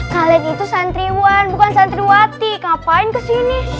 kalian itu santriwan bukan santriwati ngapain kesini